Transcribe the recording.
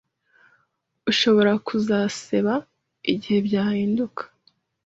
ushobora kuzaseba igihe byahinduka